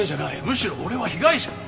むしろ俺は被害者だ。